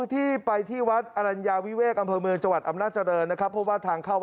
ที่ลูกเตรียมไว้เรียบร้อยแล้วก็คือเป็นหลานหลวงปู่เองหมวดมา๓๐ศาลแล้ว